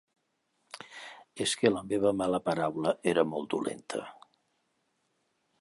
És que la meva mala paraula era molt dolenta.